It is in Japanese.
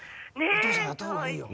お父さんやった方がいいよ。